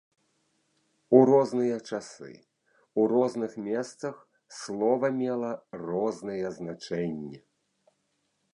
У розныя часы, у розных месцах слова мела розныя значэнні.